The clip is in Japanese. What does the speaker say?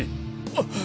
あっ！